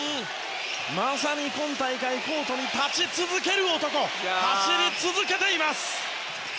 まさに今大会コートに立ち続ける男が走り続けています。